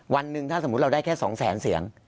วันหนึ่งถ้าสมมุติเราได้แค่๒แสนเสียง